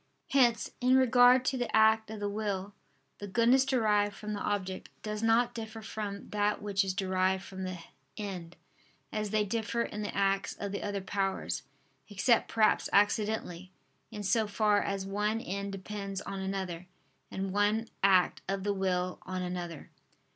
Hence, in regard to the act of the will, the goodness derived from the object, does not differ from that which is derived from the end, as they differ in the acts of the other powers; except perhaps accidentally, in so far as one end depends on another, and one act of the will on another.